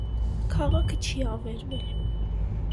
Քաղաքը չի ավերվել։